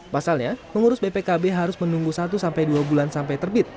pasalnya pengurus bpkb harus menunggu satu sampai dua bulan sampai terbit